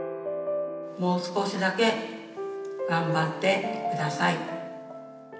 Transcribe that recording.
もう少しだけ頑張ってください。